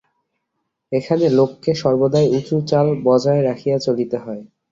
এখানে লোককে সর্বদাই উঁচু চাল বজায় রাখিয়া চলিতে হয়।